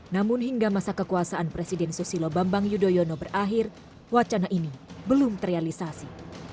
namun hingga masa kekuasaan presiden susilo bambang yudhoyono berakhir wacana ini belum terrealisasi